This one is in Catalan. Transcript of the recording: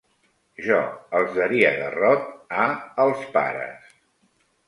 Jo els daria garrot a els pares.